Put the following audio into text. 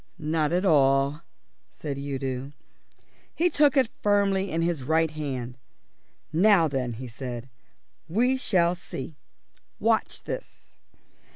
"Not at all," said Udo. He took it firmly in his right hand. "Now then," he said, "we shall see. Watch this."